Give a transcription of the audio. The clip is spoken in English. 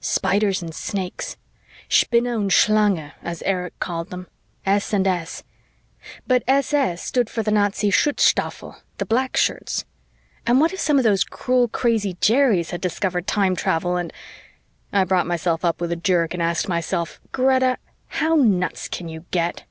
Spiders and Snakes. Spinne und Schlange, as Erich called them. S & S. But SS stood for the Nazi Schutzstaffel, the Black Shirts, and what if some of those cruel, crazy Jerries had discovered time travel and I brought myself up with a jerk and asked myself, "Greta, how nuts can you get?"